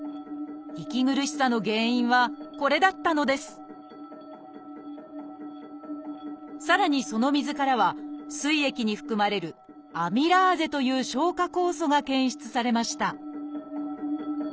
息苦しさの原因はこれだったのですさらにその水からはすい液に含まれる「アミラーゼ」という消化酵素が検出されました